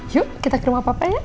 yuk kita ke rumah papa ya